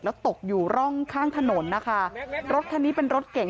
แล้วตกอยู่ร่องข้างถนนนะคะรถคันนี้เป็นรถเก่ง